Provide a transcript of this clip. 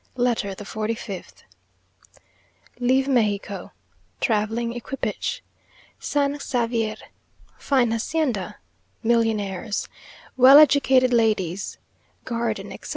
LETTER THE FORTY FIFTH Leave Mexico Travelling Equipage San Xavier Fine Hacienda Millionaires Well educated Ladies Garden, etc.